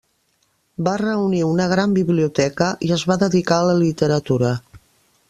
Va reunir una gran biblioteca i es va dedicar a la literatura.